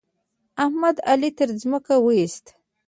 احمد؛ علي تر ځمکه واېست.